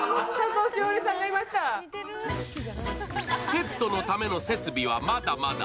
ペットのための設備はまだまだ。